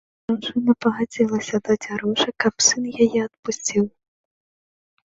Жанчына пагадзілася даць грошы, каб сын яе адпусціў.